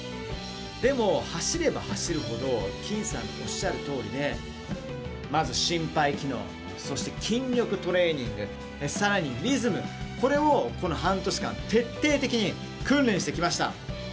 でも、走れば走るほど金さんのおっしゃるとおりでまず心肺機能そして筋力トレーニングさらにリズム、これをこの半年間徹底的に訓練してきました。